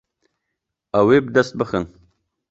Ew ê bi dest bixin.